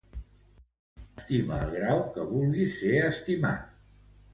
Estima al grau que vulgues ser estimat.